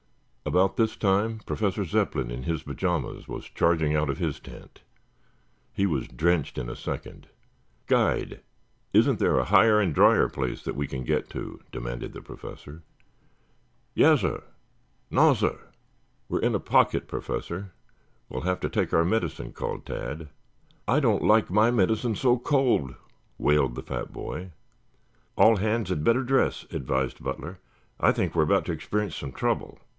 About this time Professor Zepplin in his pajamas was charging out of his tent. He was drenched in a second. "Guide, isn't there a higher and drier place that we can get to?" demanded the Professor. "Yassir. Nassir." "We are in a pocket, Professor. We'll have to take our medicine," called Tad. "I don't like my medicine so cold," wailed the fat boy. "All hands had better dress," advised Butler. "I think we are about to experience some trouble."